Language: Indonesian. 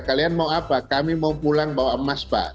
kalian mau apa kami mau pulang bawa emas pak